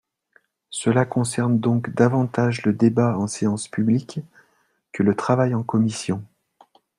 Cela concerne donc davantage le débat en séance publique que le travail en commission.